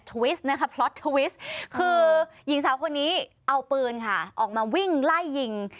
วิสนะคะพล็อตทวิสคือหญิงสาวคนนี้เอาปืนค่ะออกมาวิ่งไล่ยิง